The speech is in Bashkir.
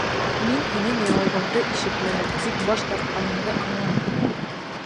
Мин һинең яуабыңды ишетмәнем, тик баш тартҡаныңды аңланым.